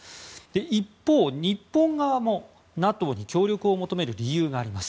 一方、日本側もＮＡＴＯに協力を求める理由があります。